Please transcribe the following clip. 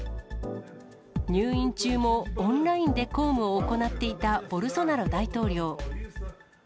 入院中もオンラインで公務を行っていたボルソナロ大統領。